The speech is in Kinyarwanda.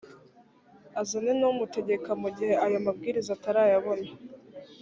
azane n’umutegeka mu gihe ayo mabwiriza atarayabona